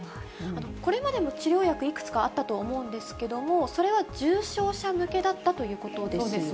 これまでも治療薬いくつかあったと思うんですけれども、それは重症者向けだったというこそうですね。